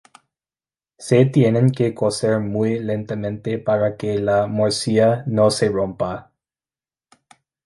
Se tienen que cocer muy lentamente para que la morcilla no se rompa.